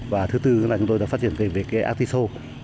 và thứ tư là chúng tôi đã phát triển về cái artiso